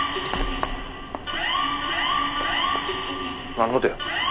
何の音や。